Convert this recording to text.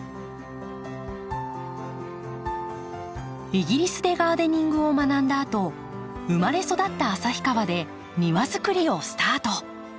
イギリスでガーデニングを学んだあと生まれ育った旭川で庭づくりをスタート。